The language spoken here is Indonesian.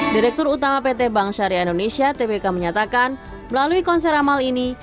direktur utama pt bank syariah indonesia tvk menyatakan melalui konser amal ini